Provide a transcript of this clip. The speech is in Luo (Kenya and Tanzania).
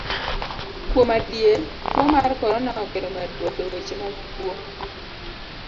Kuom adier, tuo mar korona okelo medruok e weche mag kuo.